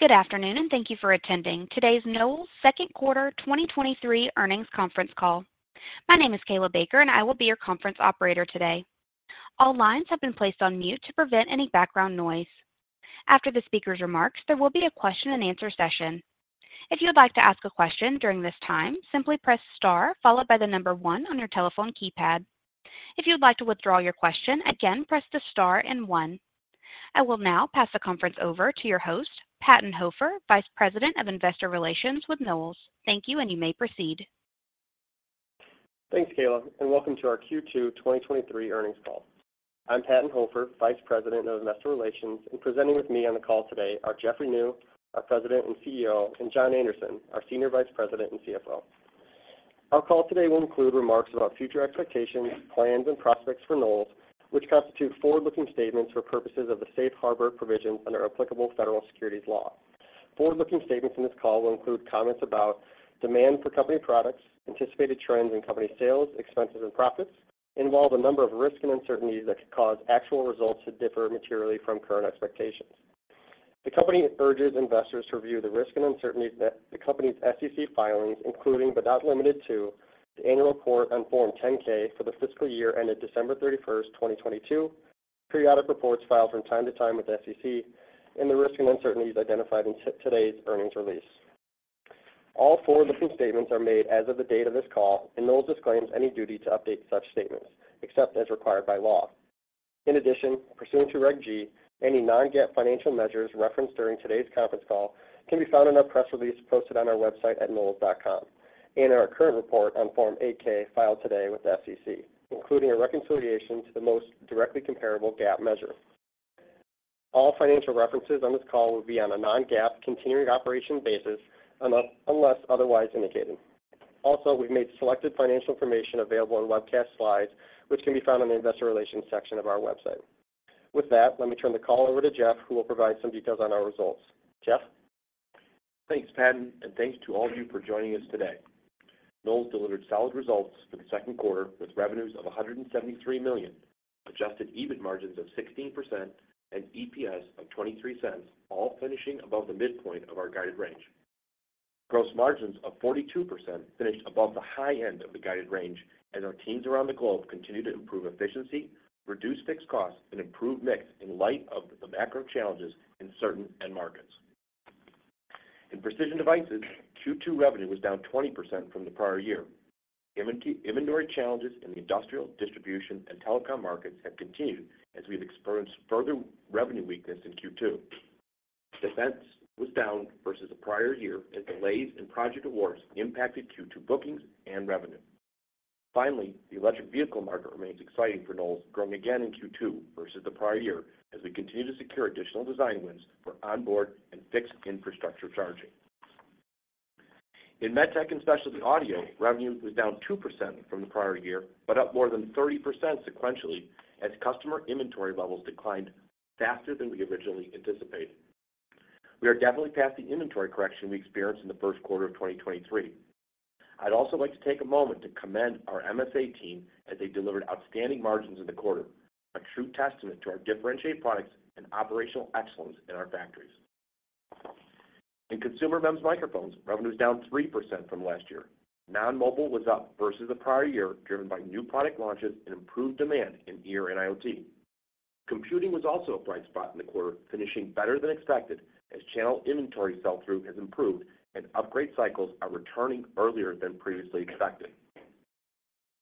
Good afternoon, and thank you for attending today's Knowles second quarter 2023 earnings conference call. My name is Kayla Baker, and I will be your conference operator today. All lines have been placed on mute to prevent any background noise. After the speaker's remarks, there will be a question-and-answer session. If you'd like to ask a question during this time, simply press star followed by the number one on your telephone keypad. If you'd like to withdraw your question, again, press the star and one. I will now pass the conference over to your host, Patton Hofer, Vice President of Investor Relations with Knowles. Thank you, and you may proceed. Thanks, Kayla, and welcome to our Q2 2023 earnings call. I'm Patton Hofer, Vice President of Investor Relations, and presenting with me on the call today are Jeffrey Niew, our President and CEO, and John Anderson, our Senior Vice President and CFO. Our call today will include remarks about future expectations, plans, and prospects for Knowles, which constitute forward-looking statements for purposes of the safe harbor provisions under applicable federal securities law. Forward-looking statements in this call will include comments about demand for company products, anticipated trends in company sales, expenses, and profits, involve a number of risks and uncertainties that could cause actual results to differ materially from current expectations. The company urges investors to review the risks and uncertainties that the company's SEC filings, including but not limited to, the annual report on Form 10-K for the fiscal year ended December 31st, 2022, periodic reports filed from time to time with the SEC, and the risks and uncertainties identified in today's earnings release. All forward-looking statements are made as of the date of this call, Knowles disclaims any duty to update such statements, except as required by law. In addition, pursuant to Reg G, any non-GAAP financial measures referenced during today's conference call can be found in our press release posted on our website at knowles.com, and in our current report on Form 8-K, filed today with the SEC, including a reconciliation to the most directly comparable GAAP measure. All financial references on this call will be on a non-GAAP continuing operation basis, unless otherwise indicated. We've made selected financial information available on the webcast slides, which can be found on the investor relations section of our website. With that, let me turn the call over to Jeff, who will provide some details on our results. Jeff? Thanks, Patton, and thanks to all of you for joining us today. Knowles delivered solid results for the second quarter, with revenues of $173 million, adjusted EBIT margins of 16%, and EPS of $0.23, all finishing above the midpoint of our guided range. Gross margins of 42% finished above the high end of the guided range, as our teams around the globe continued to improve efficiency, reduce fixed costs, and improve mix in light of the macro challenges in certain end markets. In Precision Devices, Q2 revenue was down 20% from the prior year. Inventory challenges in the industrial, distribution, and telecom markets have continued as we've experienced further revenue weakness in Q2. Defense was down versus the prior year, as delays in project awards impacted Q2 bookings and revenue. Finally, the electric vehicle market remains exciting for Knowles, growing again in Q2 versus the prior year, as we continue to secure additional design wins for onboard and fixed infrastructure charging. In MedTech and Specialty Audio, revenue was down 2% from the prior year, but up more than 30% sequentially, as customer inventory levels declined faster than we originally anticipated. We are definitely past the inventory correction we experienced in the first quarter of 2023. I'd also like to take a moment to commend our MSA team, as they delivered outstanding margins in the quarter, a true testament to our differentiated products and operational excellence in our factories. In Consumer MEMS Microphones, revenue is down 3% from last year. Non-mobile was up versus the prior year, driven by new product launches and improved demand in ear and IoT. Computing was also a bright spot in the quarter, finishing better than expected, as channel inventory sell-through has improved and upgrade cycles are returning earlier than previously expected.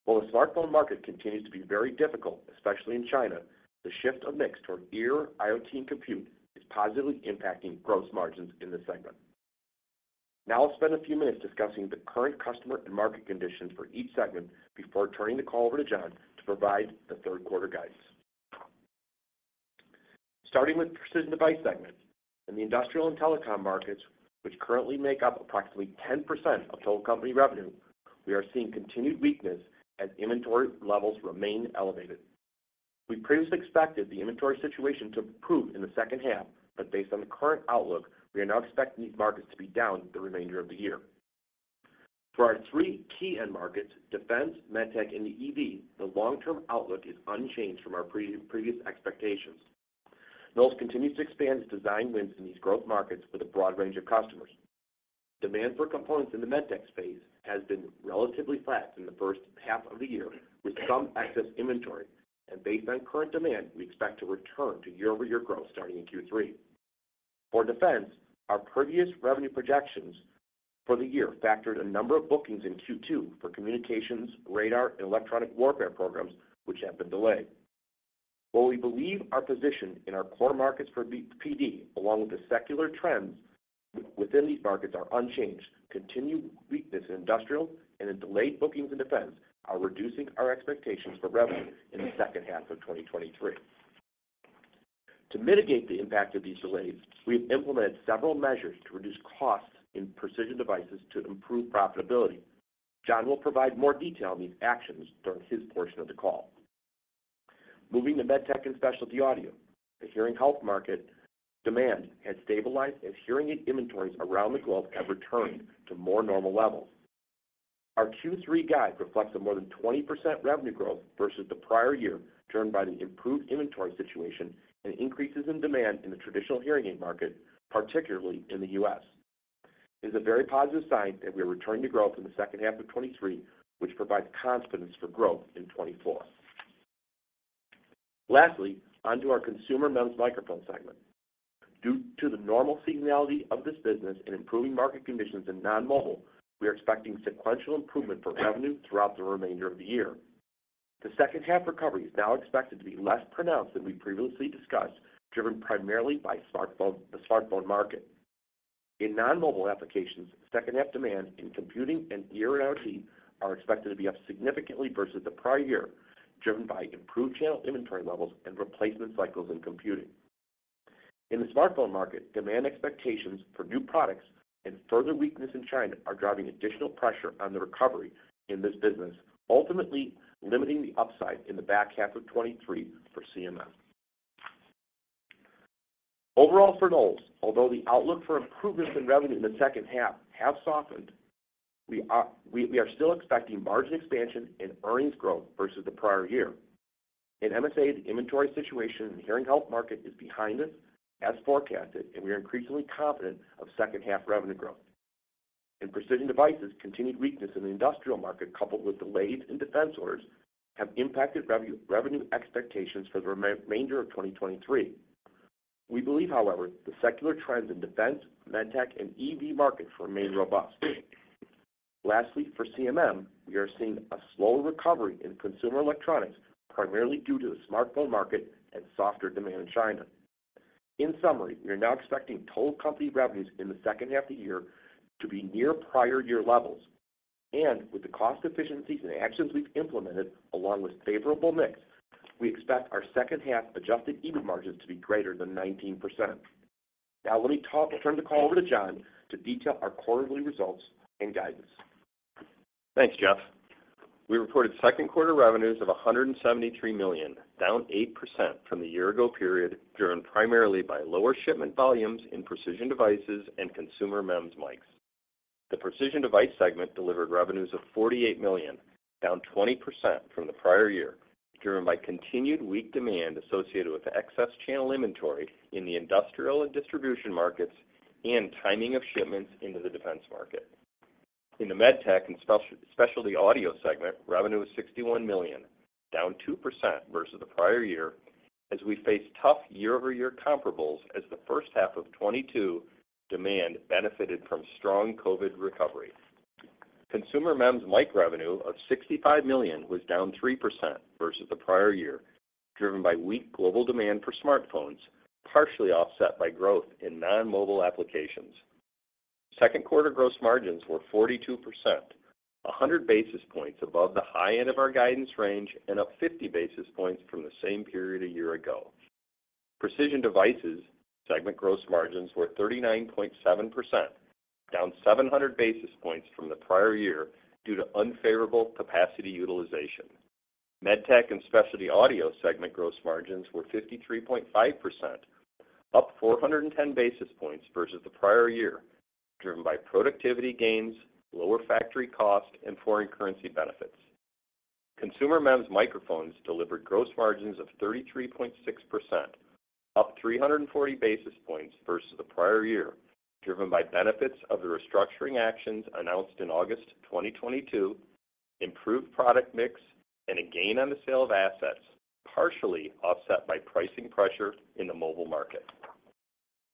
While the smartphone market continues to be very difficult, especially in China, the shift of mix toward ear, IoT, and compute is positively impacting gross margins in this segment. I'll spend a few minutes discussing the current customer and market conditions for each segment before turning the call over to John to provide the third quarter guidance. Starting with Precision Devices segment, in the industrial and telecom markets, which currently make up approximately 10% of total company revenue, we are seeing continued weakness as inventory levels remain elevated. We previously expected the inventory situation to improve in the second half, but based on the current outlook, we are now expecting these markets to be down the remainder of the year. For our three key end markets, Defense, MedTech, and EV, the long-term outlook is unchanged from our previous expectations. Knowles continues to expand its design wins in these growth markets with a broad range of customers. Based on current demand, we expect to return to year-over-year growth starting in Q3. For Defense, our previous revenue projections for the year factored a number of bookings in Q2 for communications, radar, and electronic warfare programs, which have been delayed. While we believe our position in our core markets for PD, along with the secular trends within these markets, are unchanged, continued weakness in industrial and in delayed bookings in Defense are reducing our expectations for revenue in the second half of 2023. To mitigate the impact of these delays, we've implemented several measures to reduce costs in Precision Devices to improve profitability. John will provide more detail on these actions during his portion of the call. Moving to MedTech & Specialty Audio, the hearing health market demand has stabilized as hearing aid inventories around the globe have returned to more normal levels. Our Q3 guide reflects a more than 20% revenue growth versus the prior year, driven by the improved inventory situation and increases in demand in the traditional hearing aid market, particularly in the US. It is a very positive sign that we are returning to growth in the second half of 2023, which provides confidence for growth in 2024. Lastly, on to our Consumer MEMS Microphone segment. Due to the normal seasonality of this business and improving market conditions in non-mobile, we are expecting sequential improvement for revenue throughout the remainder of the year. The second half recovery is now expected to be less pronounced than we previously discussed, driven primarily by the smartphone market. In non-mobile applications, second half demand in computing and ear IoT are expected to be up significantly versus the prior year, driven by improved channel inventory levels and replacement cycles in computing. In the smartphone market, demand expectations for new products and further weakness in China are driving additional pressure on the recovery in this business, ultimately limiting the upside in the back half of 2023 for CMM. Overall for Knowles, although the outlook for improvements in revenue in the second half have softened, we are still expecting margin expansion and earnings growth versus the prior year. In MSA's inventory situation and hearing health market is behind us, as forecasted, we are increasingly confident of second half revenue growth. In Precision Devices, continued weakness in the industrial market, coupled with delays in defense orders, have impacted revenue expectations for the remainder of 2023. We believe, however, the secular trends in defense, MedTech, and EV markets remain robust. Lastly, for CMM, we are seeing a slower recovery in consumer electronics, primarily due to the smartphone market and softer demand in China. In summary, we are now expecting total company revenues in the second half of the year to be near prior year levels. With the cost efficiencies and actions we've implemented, along with favorable mix, we expect our second half adjusted EBIT margins to be greater than 19%. Let me turn the call over to John to detail our quarterly results and guidance. Thanks, Jeff. We reported second quarter revenues of $173 million, down 8% from the year-ago period, driven primarily by lower shipment volumes in Precision Devices and Consumer MEMS Mics. The Precision Devices segment delivered revenues of $48 million, down 20% from the prior year, driven by continued weak demand associated with excess channel inventory in the industrial and distribution markets and timing of shipments into the defense market. In the MedTech and Specialty Audio segment, revenue was $61 million, down 2% versus the prior year, as we face tough year-over-year comparables as the first half of 2022 demand benefited from strong COVID recovery. Consumer MEMS Mic revenue of $65 million was down 3% versus the prior year, driven by weak global demand for smartphones, partially offset by growth in non-mobile applications. Second quarter gross margins were 42%, 100 basis points above the high end of our guidance range and up 50 basis points from the same period a year ago. Precision Devices segment gross margins were 39.7%, down 700 basis points from the prior year due to unfavorable capacity utilization. MedTech & Specialty Audio segment gross margins were 53.5%, up 410 basis points versus the prior year, driven by productivity gains, lower factory cost, and foreign currency benefits. Consumer MEMS Microphones delivered gross margins of 33.6%, up 340 basis points versus the prior year, driven by benefits of the restructuring actions announced in August 2022, improved product mix, and a gain on the sale of assets, partially offset by pricing pressure in the mobile market.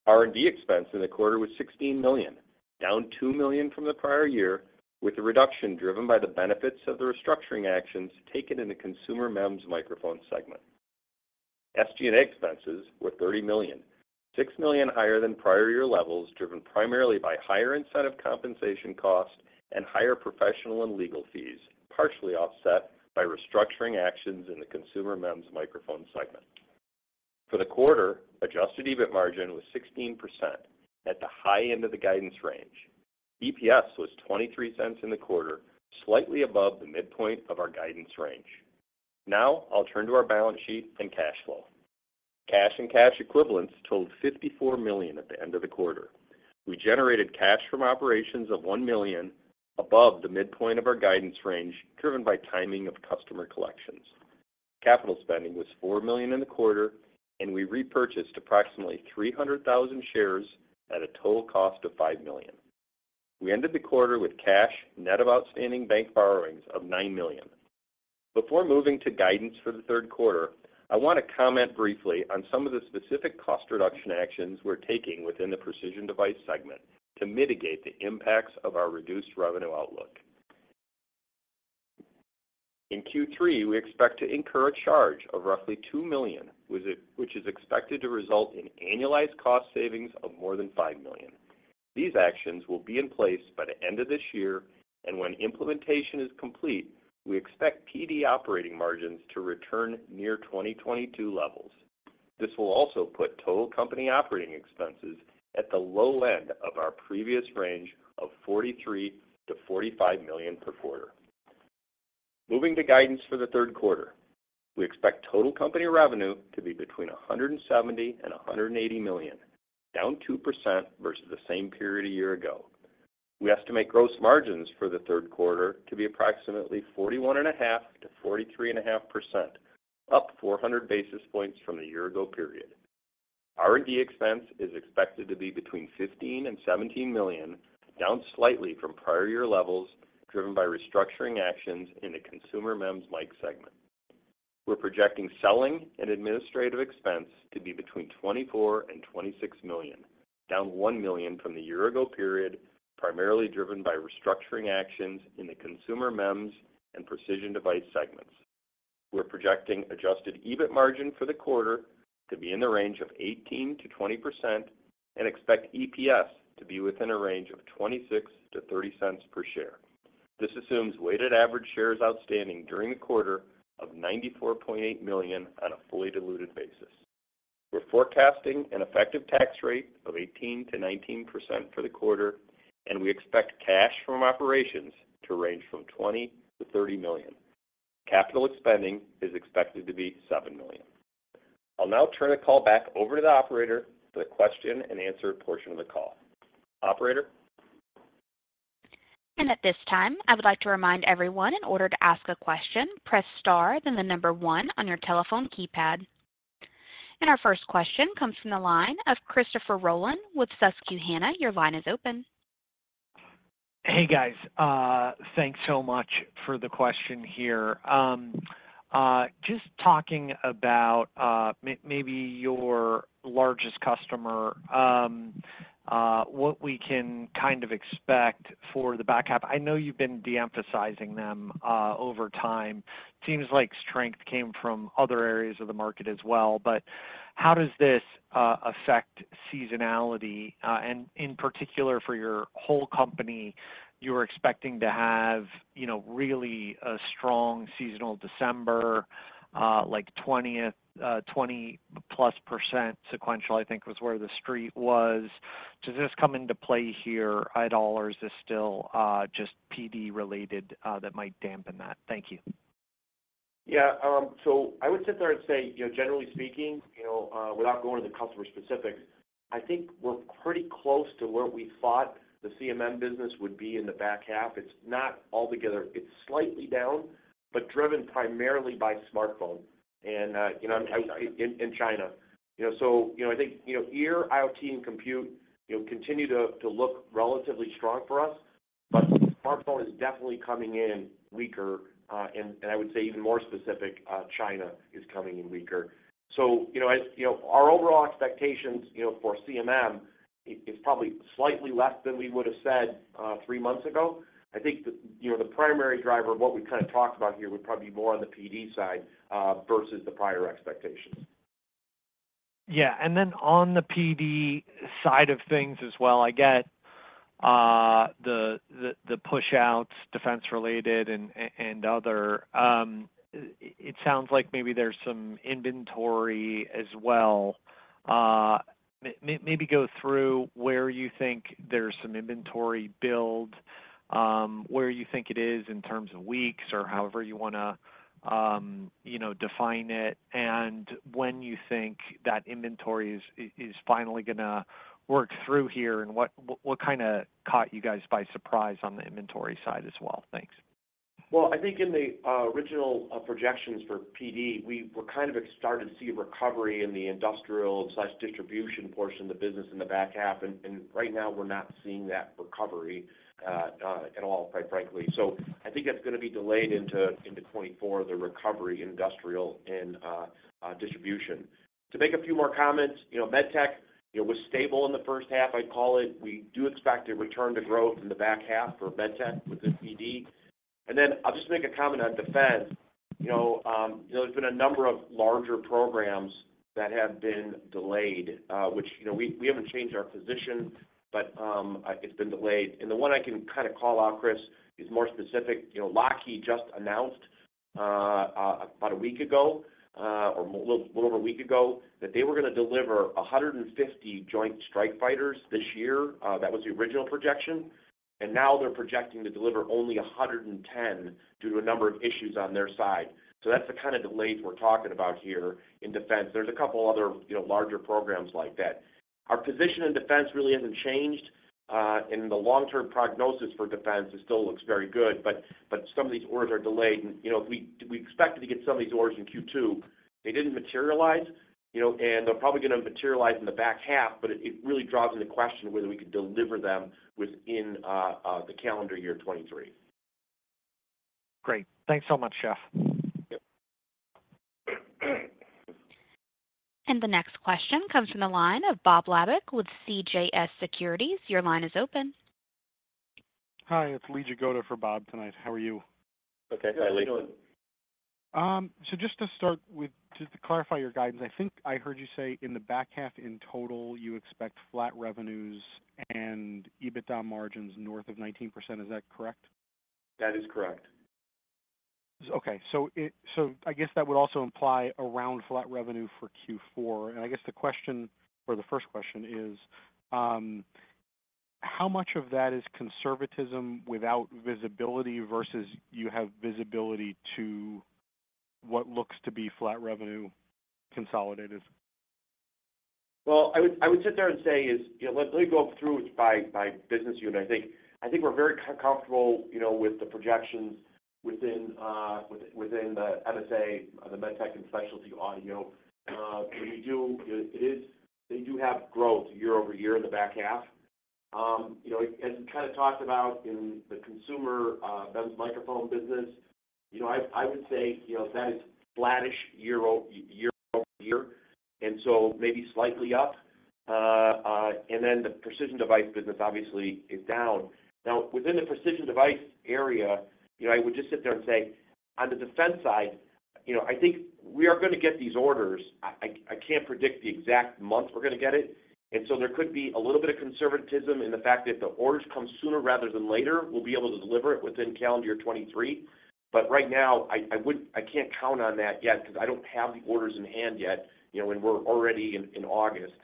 R&D expense in the quarter was $16 million, down $2 million from the prior year, with the reduction driven by the benefits of the restructuring actions taken in the Consumer MEMS Microphone segment. SG&A expenses were $30 million, $6 million higher than prior year levels, driven primarily by higher incentive compensation costs and higher professional and legal fees, partially offset by restructuring actions in the Consumer MEMS Microphone segment. For the quarter, adjusted EBIT margin was 16% at the high end of the guidance range. EPS was $0.23 in the quarter, slightly above the midpoint of our guidance range. Now, I'll turn to our balance sheet and cash flow. Cash and cash equivalents totaled $54 million at the end of the quarter. We generated cash from operations of $1 million, above the midpoint of our guidance range, driven by timing of customer collections. Capital spending was $4 million in the quarter, we repurchased approximately 300,000 shares at a total cost of $5 million. We ended the quarter with cash, net of outstanding bank borrowings of $9 million. Before moving to guidance for the third quarter, I want to comment briefly on some of the specific cost reduction actions we're taking within the Precision Devices segment to mitigate the impacts of our reduced revenue outlook. In Q3, we expect to incur a charge of roughly $2 million, which is expected to result in annualized cost savings of more than $5 million. These actions will be in place by the end of this year, when implementation is complete, we expect PD operating margins to return near 2022 levels. This will also put total company operating expenses at the low end of our previous range of $43 million-$45 million per quarter. Moving to guidance for the third quarter. We expect total company revenue to be between $170 million-$180 million, down 2% versus the same period a year-ago. We estimate gross margins for the third quarter to be approximately 41.5%-43.5%, up 400 basis points from the year-ago period. R&D expense is expected to be between $15 million-$17 million, down slightly from prior year levels, driven by restructuring actions in the Consumer MEMS Mic segment. We're projecting selling and administrative expense to be between $24 million-$26 million, down $1 million from the year-ago period, primarily driven by restructuring actions in the Consumer MEMS and Precision Devices segments. We're projecting adjusted EBIT margin for the quarter to be in the range of 18%-20% and expect EPS to be within a range of $0.26-$0.30 per share. This assumes weighted average shares outstanding during the quarter of 94.8 million on a fully diluted basis. We're forecasting an effective tax rate of 18%-19% for the quarter. We expect cash from operations to range from $20 million-$30 million. Capital spending is expected to be $7 million. I'll now turn the call back over to the operator for the question-and-answer portion of the call. Operator? At this time, I would like to remind everyone, in order to ask a question, press star, then the number one on your telephone keypad. Our first question comes from the line of Christopher Rolland with Susquehanna. Your line is open. Hey, guys, thanks so much for the question here. Just talking about maybe your largest customer, what we can kind of expect for the back half. I know you've been de-emphasizing them over time. Seems like strength came from other areas of the market as well. How does this affect seasonality? In particular, for your whole company, you were expecting to have, you know, really a strong seasonal December, like 20th, 20+% sequential, I think, was where the street was. Does this come into play here at all, or is this still just PD related that might dampen that? Thank you. Yeah, so I would sit there and say, you know, generally speaking, you know, without going into the customer specifics, I think we're pretty close to where we thought the CMM business would be in the back half. It's not altogether. It's slightly down, but driven primarily by smartphone and, you know, in, in, in China. I think, you know, ear, IoT, and compute, you know, continue to, to look relatively strong for us, but smartphone is definitely coming in weaker, and, and I would say even more specific, China is coming in weaker. As you know, our overall expectations, you know, for CMM is, is probably slightly less than we would have said, 3 months ago.I think the, you know, the primary driver of what we kind of talked about here would probably be more on the PD side, versus the prior expectations. Yeah. Then on the PD side of things as well, I get, the, the, the push-outs, defense-related and, and other. It sounds like maybe there's some inventory as well. Maybe go through where you think there's some inventory build, where you think it is in terms of weeks or however you want to, you know, define it, and when you think that inventory is, is finally gonna work through here, and what, what kind of caught you guys by surprise on the inventory side as well? Thanks. Well, I think in the original projections for PD, we were kind of starting to see a recovery in the industrial/distribution portion of the business in the back half, and right now, we're not seeing that recovery at all, quite frankly. I think that's going to be delayed into 2024, the recovery in industrial and distribution. To make a few more comments, you know, MedTech, it was stable in the first half, I'd call it. We do expect a return to growth in the back half for MedTech with the PD. Then I'll just make a comment on defense. You know, there's been a number of larger programs that have been delayed, which, you know, we, we haven't changed our position, but it's been delayed. The one I can kind of call out, Chris, is more specific. You know, Lockheed just announced about a week ago or a little more than a week ago that they were going to deliver 150 Joint Strike Fighters this year. That was the original projection, and now they're projecting to deliver only 110 due to a number of issues on their side. That's the kind of delays we're talking about here in defense. There's a couple other, you know, larger programs like that. Our position in defense really hasn't changed, and the long-term prognosis for defense still looks very good. But some of these orders are delayed, and, you know, we, we expected to get some of these orders in Q2. They didn't materialize, you know, and they're probably going to materialize in the back half, but it, it really draws into question whether we can deliver them within, the calendar year 2023. Great. Thanks so much, Jeff. Yep. The next question comes from the line of Bob Labick with CJS Securities. Your line is open. Hi, it's Lee Jagoda for Bob tonight. How are you? Okay. Hi, Lee. Just to start with, just to clarify your guidance, I think I heard you say in the back half in total, you expect flat revenues and EBITDA margins north of 19%. Is that correct? That is correct. Okay. I guess that would also imply around flat revenue for Q4. I guess the question or the first question is, how much of that is conservatism without visibility versus you have visibility to what looks to be flat revenue consolidated? Well, I would sit there and say is, you know, let me go through it by business unit. I think we're very comfortable, you know, with the projections within the MSA, the MedTech and Specialty Audio. We do have growth year-over-year in the back half. You know, as we kind of talked about in the consumer microphone business, you know, I would say, you know, that is flattish year-over-year, year-over-year, and so maybe slightly up. And then the precision device business obviously is down. Now, within the precision device area, you know, I would just sit there and say, on the defense side, you know, I think we are gonna get these orders. I, I, I can't predict the exact month we're gonna get it, so there could be a little bit of conservatism in the fact that the orders come sooner rather than later, we'll be able to deliver it within calendar year 2023. Right now, I, I wouldn't-- I can't count on that yet because I don't have the orders in hand yet, you know, and we're already in, in August.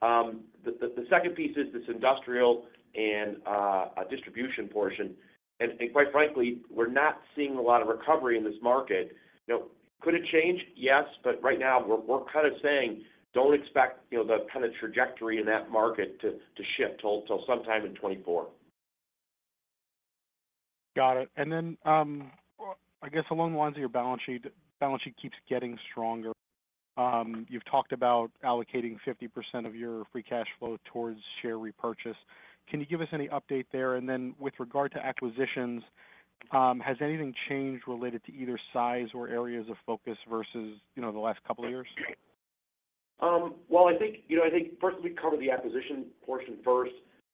The, the, the second piece is this industrial and a distribution portion. Quite frankly, we're not seeing a lot of recovery in this market. You know, could it change? Yes. Right now, we're, we're kind of saying, "Don't expect, you know, the kind of trajectory in that market to, to shift till, till sometime in 2024. Got it. I guess along the lines of your balance sheet, balance sheet keeps getting stronger. You've talked about allocating 50% of your free cash flow towards share repurchase. Can you give us any update there? And then with regard to acquisitions, has anything changed related to either size or areas of focus versus, you know, the last 2 years? Well, I think, you know, I think firstly, we covered the acquisition portion first.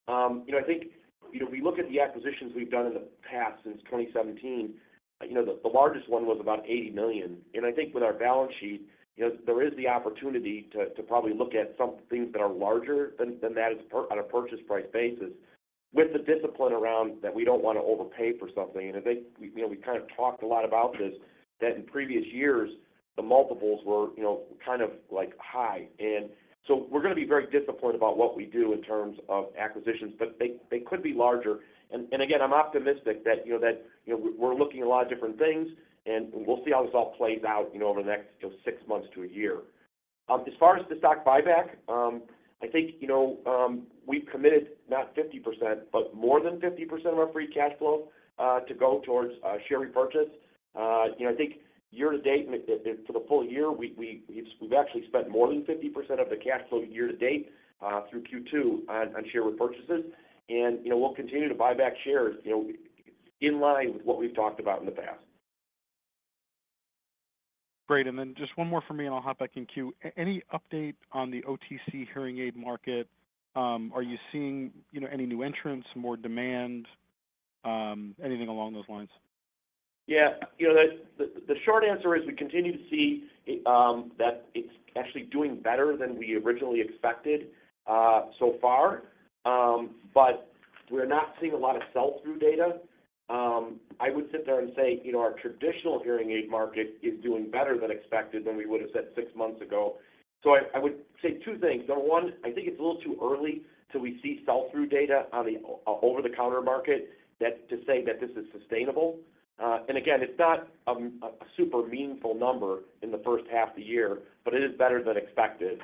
You know, I think, you know, we look at the acquisitions we've done in the past since 2017, you know, the, the largest one was about $80 million. I think with our balance sheet, you know, there is the opportunity to, to probably look at some things that are larger than, than that on a purchase price basis, with the discipline around that we don't want to overpay for something. I think, you know, we kind of talked a lot about this, that in previous years, the multiples were, you know, kind of like high. We're gonna be very disciplined about what we do in terms of acquisitions, but they, they could be larger. Again, I'm optimistic that, you know, that, you know, we're, we're looking at a lot of different things, and we'll see how this all plays out, you know, over the next, you know, 6 months to a year. As far as the stock buyback, I think, you know, we've committed not 50%, but more than 50% of our free cash flow to go towards share repurchase. I think year to date, and if, if for the full year, we, we, we've, we've actually spent more than 50% of the cash flow year to date through Q2 on, on share repurchases. We'll continue to buy back shares, you know, in line with what we've talked about in the past. Great. Then just one more for me, and I'll hop back in queue. Any update on the OTC hearing aid market? Are you seeing, you know, any new entrants, more demand, anything along those lines? Yeah, you know, the, the, the short answer is we continue to see that it's actually doing better than we originally expected so far. We're not seeing a lot of sell-through data. I would sit there and say, you know, our traditional hearing aid market is doing better than expected than we would have said six months ago. I, I would say two things. Number one, I think it's a little too early till we see sell-through data on the over-the-counter market, that to say that this is sustainable. Again, it's not a super meaningful number in the first half of the year, but it is better than expected.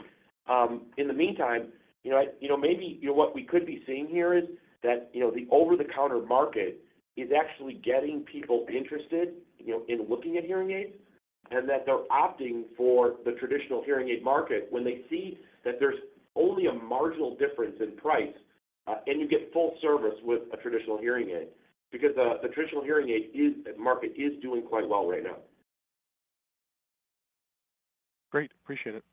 In the meantime, you know, you know, maybe, you know, what we could be seeing here is that, you know, the over-the-counter market is actually getting people interested, you know, in looking at hearing aids, and that they're opting for the traditional hearing aid market when they see that there's only a marginal difference in price, and you get full service with a traditional hearing aid, because the, the traditional hearing aid market is doing quite well right now. Great. Appreciate it.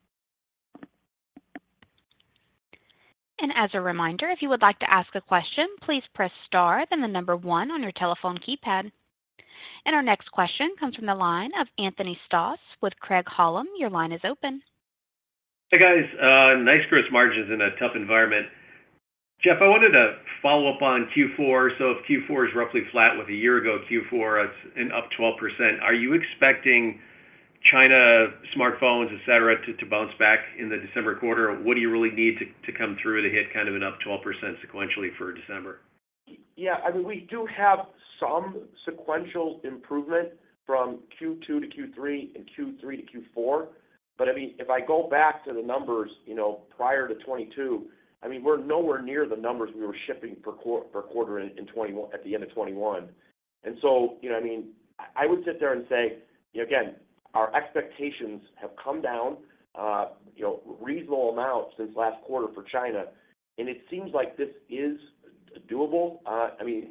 As a reminder, if you would like to ask a question, please press star, then 1 on your telephone keypad. Our next question comes from the line of Anthony Stoss with Craig-Hallum. Your line is open. Hey, guys. Nice gross margins in a tough environment. Jeff, I wanted to follow up on Q4. If Q4 is roughly flat with a year ago, Q4 is and up 12%, are you expecting China, smartphones, et cetera, to bounce back in the December quarter? What do you really need to come through to hit kind of an up 12% sequentially for December? Yeah, I mean, we do have some sequential improvement from Q2 to Q3 and Q3 to Q4. I mean, if I go back to the numbers, you know, prior to 2022, I mean, we're nowhere near the numbers we were shipping per quarter in 2021, at the end of 2021. You know, I mean, I would sit there and say, again, our expectations have come down, you know, reasonable amount since last quarter for China, and it seems like this is doable. I mean,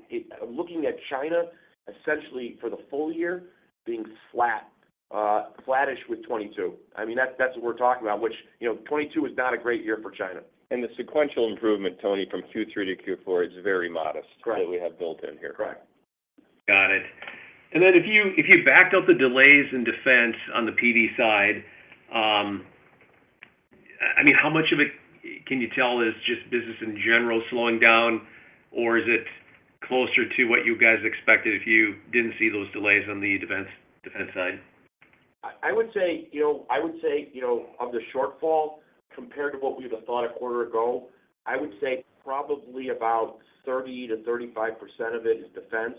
looking at China, essentially for the full year, being flat, flattish with 2022. I mean, that's, that's what we're talking about, which, you know, 2022 is not a great year for China. The sequential improvement, Tony, from Q3 to Q4 is very modest. Correct... that we have built in here. Correct. Got it. Then if you, if you backed out the delays in defense on the PD side, I mean, how much of it can you tell is just business in general slowing down, or is it closer to what you guys expected if you didn't see those delays on the defense, defense side?... I would say, you know, I would say, you know, of the shortfall, compared to what we would have thought a quarter ago, I would say probably about 30%-35% of it is defense,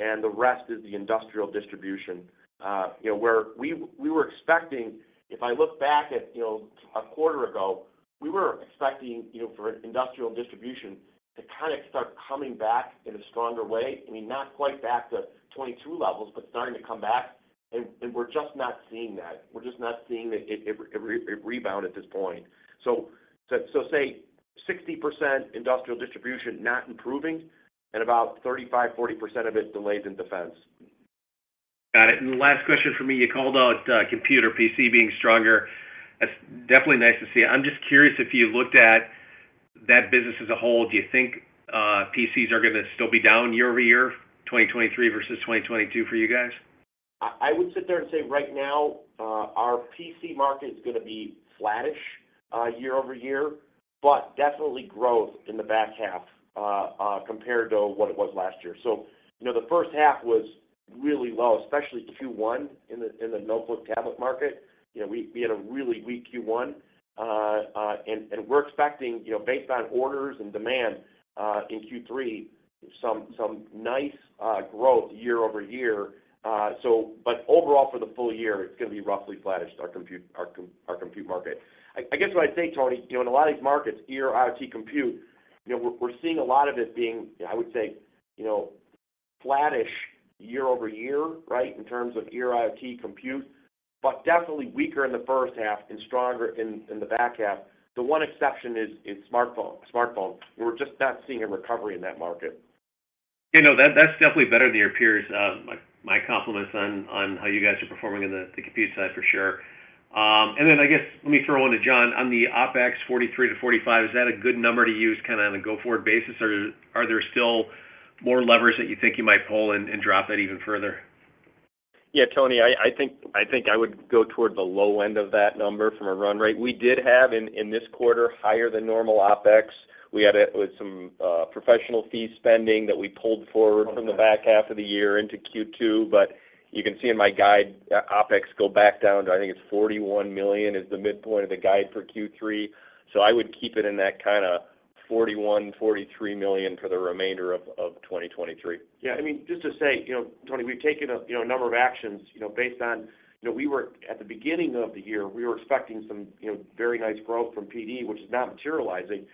and the rest is the industrial distribution. You know, where we, we were expecting, if I look back at, you know, a quarter ago, we were expecting, you know, for industrial distribution to kind of start coming back in a stronger way. I mean, not quite back to 2022 levels, but starting to come back, and we're just not seeing that. We're just not seeing it rebound at this point. Say 60% industrial distribution not improving, and about 35%-40% of it delayed in defense. Got it. The last question for me, you called out, computer PC being stronger. That's definitely nice to see. I'm just curious, if you looked at that business as a whole, do you think, PCs are going to still be down year-over-year, 2023 versus 2022 for you guys? I, I would sit there and say, right now, our PC market is going to be flattish, year-over-year, but definitely growth in the back half, compared to what it was last year. You know, the first half was really low, especially Q1 in the notebook tablet market. You know, we, we had a really weak Q1. We're expecting, you know, based on orders and demand, in Q3, some, some nice growth year-over-year. Overall, for the full year, it's going to be roughly flattish, our compute, our compute market. I, I guess what I'd say, Tony, you know, in a lot of these markets, ear IoT compute, you know, we're, we're seeing a lot of it being, I would say, you know, flattish year-over-year, right? In terms of ear IoT compute, but definitely weaker in the first half and stronger in, in the back half. The one exception is, is smartphone, smartphone. We're just not seeing a recovery in that market. You know, that, that's definitely better than your peers. My, my compliments on, on how you guys are performing in the, the compute side, for sure. Then, I guess, let me throw one to John. On the OpEx $43 million-$45 million, is that a good number to use, kind of on a go-forward basis, or are there still more levers that you think you might pull and, and drop it even further? Yeah, Tony, I, I think, I think I would go toward the low end of that number from a run rate. We did have in, in this quarter, higher than normal OpEx. We had it with some professional fee spending that we pulled forward. From the back half of the year into Q2. You can see in my guide, OpEx go back down to, I think it's $41 million, is the midpoint of the guide for Q3. I would keep it in that kind of $41 million-$43 million for the remainder of 2023. Yeah. I mean, just to say, you know, Tony, we've taken a, you know, number of actions, you know, based on. You know, we were, at the beginning of the year, we were expecting some, you know, very nice growth from PD, which is not materializing.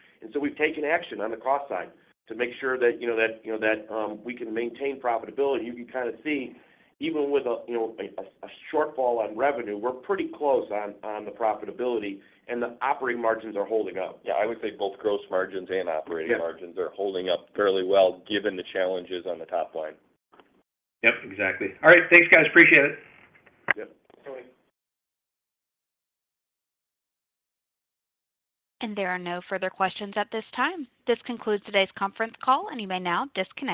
We've taken action on the cost side to make sure that, you know, that, you know, that we can maintain profitability. You can kind of see, even with a, you know, a, a shortfall on revenue, we're pretty close on, on the profitability, and the operating margins are holding up. Yeah, I would say both gross margins and operating margins- Yeah -are holding up fairly well, given the challenges on the top line. Yep, exactly. All right. Thanks, guys. Appreciate it. Yep. There are no further questions at this time. This concludes today's conference call, and you may now disconnect.